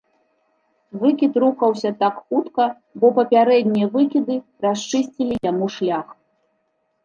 Выкід рухаўся так хутка, бо папярэднія выкіды расчысцілі яму шлях.